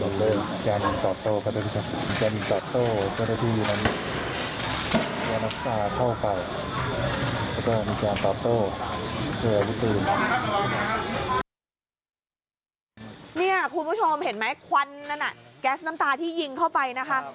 คุณผู้ชมเห็นไหมควันนั้นแก๊สน้ำตาที่ยิงเข้าไปนะคะ